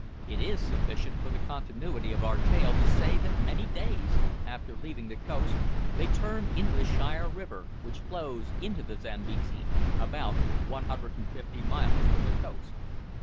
It is sufficient for the continuity of our tale to say that many days after leaving the coast they turned into the Shire river, which flows into the Zambesi about 150 miles from the coast.